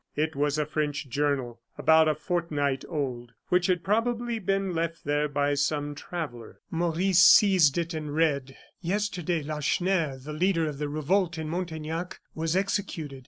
It was a French journal about a fortnight old, which had probably been left there by some traveller. Maurice seized it and read: "Yesterday, Lacheneur, the leader of the revolt in Montaignac, was executed.